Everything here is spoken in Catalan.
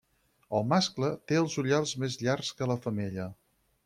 El mascle té els ullals més llargs que la femella.